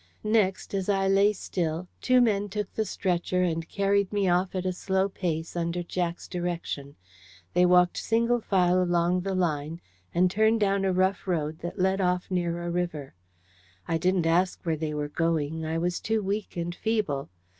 Next, as I lay still, two men took the stretcher and carried me off at a slow pace, under Jack's direction. They walked single file along the line, and turned down a rough road that led off near a river. I didn't ask where they were going: I was too weak and feeble.